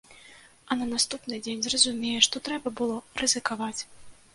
А на наступны дзень зразумее, што трэба было рызыкаваць!